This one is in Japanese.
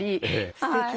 すてきね。